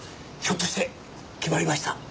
ひょっとして決まりました？